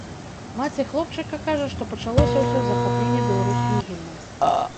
Маці хлопчыка кажа, што пачалося ўсё з захаплення беларускім гімнам.